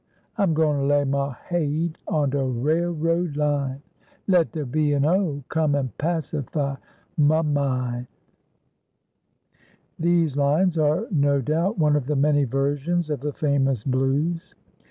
I'm go'n lay mah haid on de railroad line, Let de B. & O. come and pacify mah min'." These lines are, no doubt, one of the many versions of the famous "Blues."